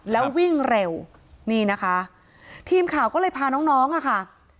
แล้ววิ่งเร็วนี่นะคะทีมข่าวก็เลยพาน้องน้องอ่ะค่ะ